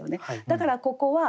だからここは。